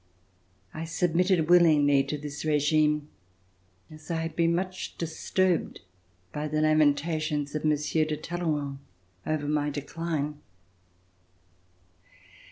I submitted willingly to this regime as I had been much disturbed by the lamentations of Monsieur de Talleyrand over my decline.